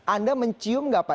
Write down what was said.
anda mencium nggak pak